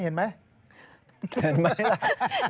เห็นไหมล่ะ